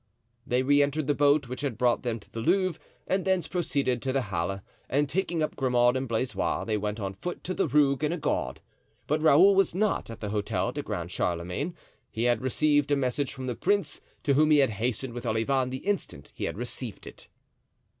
They re entered the boat which had brought them to the Louvre and thence proceeded to the Halles; and taking up Grimaud and Blaisois, they went on foot to the Rue Guenegaud. But Raoul was not at the Hotel du Grand Charlemagne. He had received a message from the prince, to whom he had hastened with Olivain the instant he had received it.